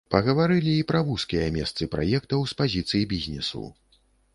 Пагаварылі і пра вузкія месцы праектаў з пазіцый бізнесу.